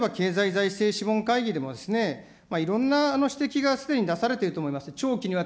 総理、これですね、例えば経済財政諮問会議でもいろんな指摘がすでに出されていると思います。